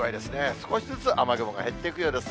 少しずつ雨雲が減っていくようです。